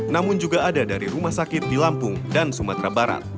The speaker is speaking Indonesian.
namun juga ada dari rumah sakit di lampung dan sumatera barat